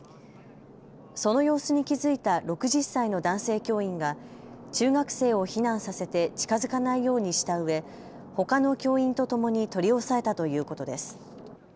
その様子に気付いた６０歳の男性教員が中学生を避難させて近づかないようにしたうえほかの教員とともに取り押さえたということです。